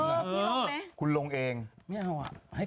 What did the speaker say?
เออคุณลงไหม